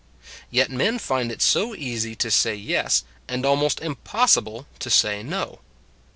Yet men find it so easy to say yes and almost impossible to say no.